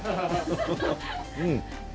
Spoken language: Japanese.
うん。